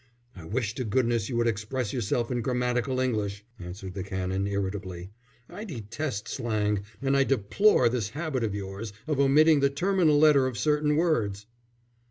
"I wish to goodness you would express yourself in grammatical English," answered the Canon, irritably. "I detest slang, and I deplore this habit of yours of omitting the terminal letter of certain words."